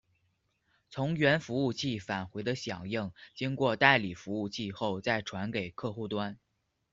从源服务器返回的响应经过代理服务器后再传给客户端。